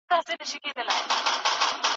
کوم تمرین د بدن اوږدمهاله انرژي مصرفوي؟